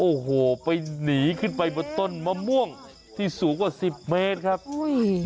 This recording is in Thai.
โอ้โหไปหนีขึ้นไปบนต้นมะม่วงที่สูงกว่าสิบเมตรครับอุ้ย